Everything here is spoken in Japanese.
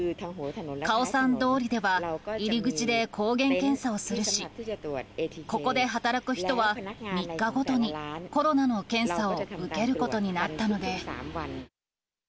カオサン通りでは、入り口で抗原検査をするし、ここで働く人は、３日ごとにコロナの検査を受けることになったので。